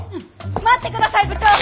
待って下さい部長！